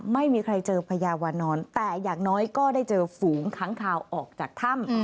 ไม่มีใครเจอพญาวานอนแต่อย่างน้อยก็ได้เจอฝูงค้างคาวออกจากถ้ำ